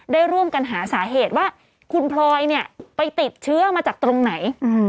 ได้ร่วมกันหาสาเหตุว่าคุณพลอยเนี่ยไปติดเชื้อมาจากตรงไหน